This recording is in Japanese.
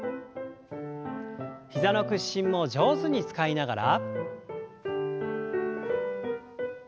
膝の屈伸も上手に使いながら。